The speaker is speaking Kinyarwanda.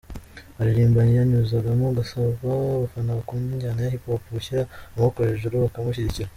Aririmba yanyuzagamo agasaba abafana bakunda injyana ya Hip Hop gushyira amaboko hejuru bakamushyigikira.